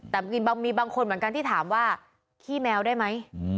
แต่มีบางคนเหมือนกันที่ถามว่าขี้แมวได้ไหม